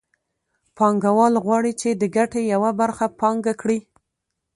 پانګوال غواړي چې د ګټې یوه برخه پانګه کړي